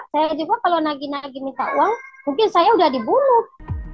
saya juga kalau nagi nagi minta uang mungkin saya sudah dibunuh